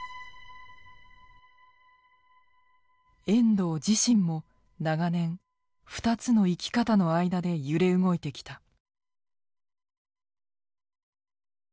遠藤自身も長年２つの生き方の間で揺れ動いてきた。